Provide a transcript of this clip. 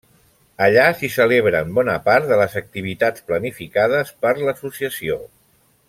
Allà s'hi celebren bona part de les activitats planificades per l'associació.